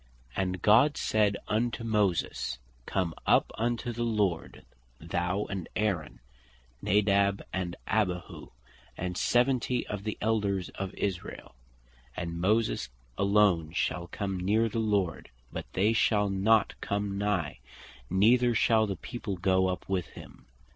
"And God said unto Moses, Come up unto the Lord, thou, and Aaron, Nadab and Abihu, and seventy of the Elders of Israel. And Moses alone shall come neer the Lord, but they shall not come nigh, neither shall the people goe up with him."